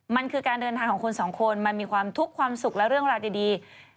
มันคือการเดินทางของคนสองคนมันมีความทุกข์ความสุขและเรื่องราวดี